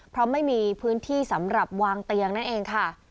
เพราะไม่มีพื้นที่สำหรับวางเตียงนั่นเองค่ะ